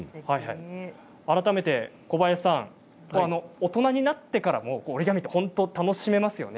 改めて小林さん大人になってからも折り紙って楽しめますよね。